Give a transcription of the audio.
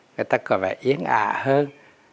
người ta có vẻ yên ạ hơn